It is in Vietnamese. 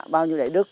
bao nhiêu đệ đức